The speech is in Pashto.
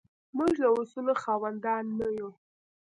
موږ د اصولو خاوندان نه یو.